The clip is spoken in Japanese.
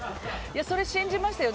それ信じましたよ。